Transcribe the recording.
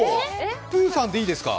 プーさんでいいですか？